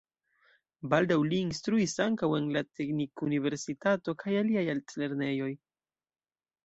Baldaŭ li instruis ankaŭ en la Teknikuniversitato kaj aliaj altlernejoj.